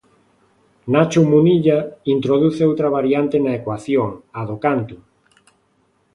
Nacho Munilla introduce outra variante na ecuación, a do canto.